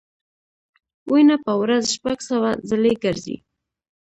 وینه په ورځ شپږ سوه ځلې ګرځي.